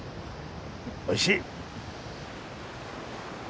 おいしい！